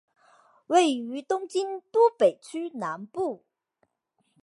位于东京都北区南部。